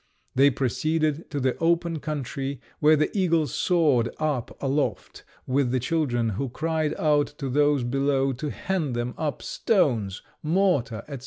They proceeded to the open country, where the eagles soared up aloft with the children, who cried out to those below to hand them up stones, mortar, &c.